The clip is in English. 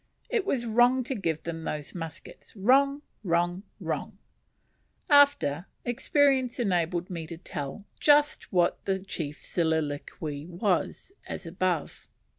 It was wrong to give them those muskets; wrong, wrong, wrong!" After experience enabled me to tell just what the chief's soliloquy was, as above.